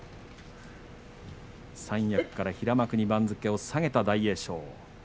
三役から平幕に番付を下げた大栄翔。